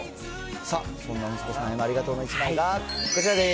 さあ、そんな息子さんへのありがとうの１枚がこちらでーす。